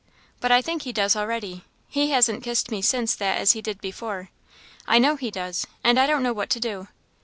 "But I think he does already; he hasn't kissed me since that as he did before; I know he does, and I don't know what to do.